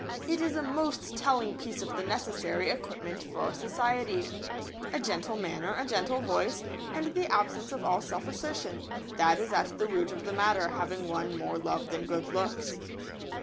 It is a most telling piece of the necessary equipment for society. A gentle manner, a gentle voice, and the absence of all self assertion, that is at the root of the matter, have won more love than good looks.